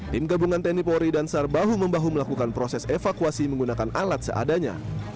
tim gabungan tni polri dan sar bahu membahu melakukan proses evakuasi menggunakan alat seadanya